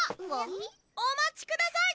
・お待ちください